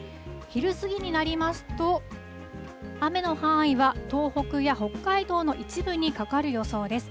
昼過ぎになりますと、雨の範囲は東北や北海道の一部にかかる予想です。